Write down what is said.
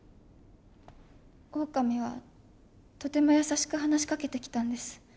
オオカミはとても優しく話しかけてきたんです。